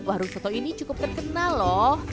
warung soto ini cukup terkenal loh